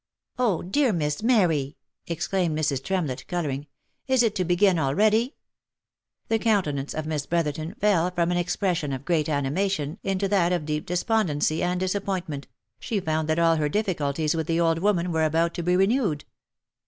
" Oh ! dear Miss Mary !" exclaimed Mrs. Tremlett, colouring, —" is it to begin already ?" The countenance of Miss Brotherton fell from an expression of great animation into that of deep despondency and disappointment, she found that all her difficulties with the old woman were about to be re newed.